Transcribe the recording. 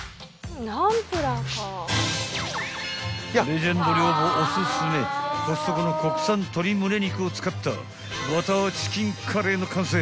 ［レジェンド寮母おすすめコストコの国産鶏むね肉を使ったバターチキンカレーの完成］